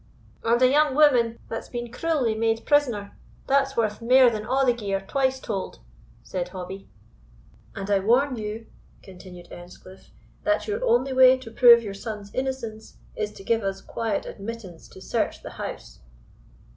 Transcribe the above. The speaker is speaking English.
"And a young woman, that's been cruelly made prisoner, that's worth mair than a' the gear, twice told," said Hobbie. "And I warn you." continued Earnscliff, "that your only way to prove your son's innocence is to give us quiet admittance to search the house."